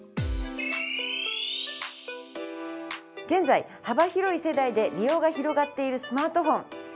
現在幅広い世代で利用が広がっているスマートフォン。